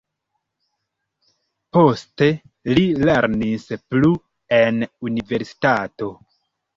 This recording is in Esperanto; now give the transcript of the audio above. Poste li lernis plu en universitato.